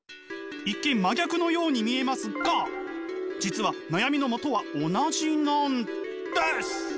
一見真逆のように見えますが実は悩みの元は同じなんです！